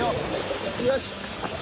よし。